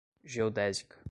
geodésica